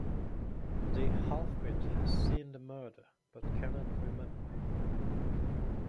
The "half-wit" has seen the murder, but cannot remember.